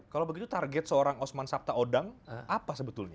kalau begitu target seorang osman sabta odang apa sebetulnya